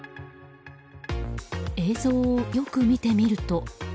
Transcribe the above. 映像をよく見てみると。